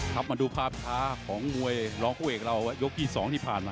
ครับมาดูภาพช้าของมวยร้องคู่เอกเรายกที่๒ที่ผ่านมา